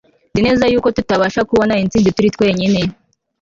Nzi neza yuko tutabasha kubona intsinzi turi twenyine